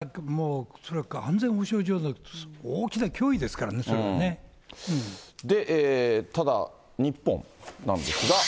それはもう恐らく安全保障上の大きな脅威ですからね、で、ただ、日本なんですが。